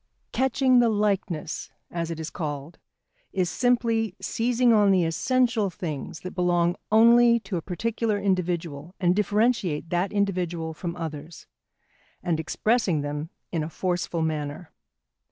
Catching the likeness, as it is called, is simply seizing on the essential things that belong only to a particular individual and differentiate that individual from others, and expressing them in a forceful manner.